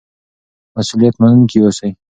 مسؤلیت منونکي اوسئ.